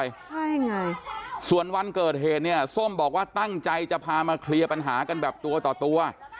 ใช่ไงส่วนวันเกิดเหตุเนี่ยส้มบอกว่าตั้งใจจะพามาเคลียร์ปัญหากันแบบตัวต่อตัว